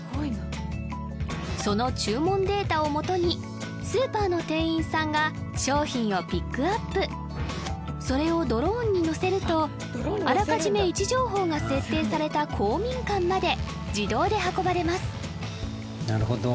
その注文データをもとにスーパーの店員さんが商品をピックアップそれをドローンに載せるとあらかじめ位置情報が設定された公民館まで自動で運ばれます